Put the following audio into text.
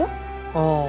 ああ。